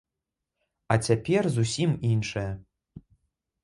А цяпер зусім іншае.